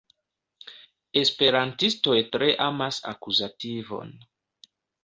Esperantistoj tre amas akuzativon.